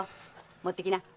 持ってきな。